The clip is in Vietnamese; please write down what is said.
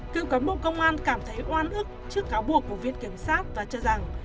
cựu cán bộ công an cảm thấy oan ức trước cáo buộc của viện kiểm sát và cho rằng